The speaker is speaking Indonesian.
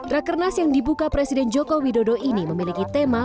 rakernas yang dibuka presiden joko widodo ini memiliki tema